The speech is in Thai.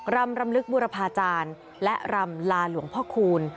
รำรำลึกบุรพาจารย์และรำลาหลวงพ่อคูณ